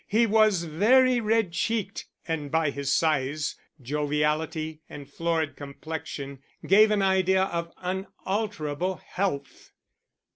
He was very red cheeked, and by his size, joviality, and florid complexion, gave an idea of unalterable health.